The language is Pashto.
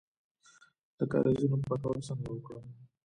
د کاریزونو پاکول څنګه وکړم؟